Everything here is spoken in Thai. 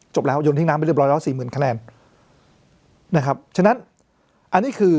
ยนทิ้งน้ำไปเรียบร้อยแล้วสี่หมื่นคะแนนนะครับฉะนั้นอันนี้คือ